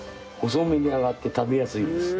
細めにあがって食べやすいです。